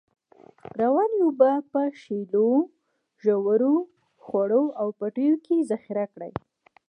روانې اوبه په په شیلو، ژورو، خوړو او پټیو کې ذخیره کړی.